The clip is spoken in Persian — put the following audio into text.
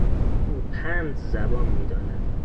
او پنج زبان میداند.